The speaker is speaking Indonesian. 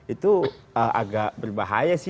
itu agak berbahaya sih